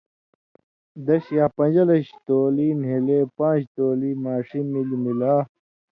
دش یا پݩژلش تولی نھیلے پاݩژ تولی ماݜی ملیۡ ملا